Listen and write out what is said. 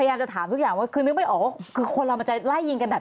โทษศาลนั้นเรียกว่าธีระนัด